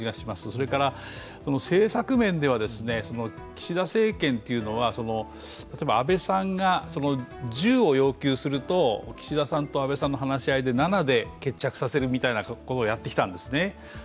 それから政策面では岸田政権というのは例えば安倍さんが１０を要求すると岸田さんと安倍さんの話し合いで７で決着させるみたいなことをやってきたんですね。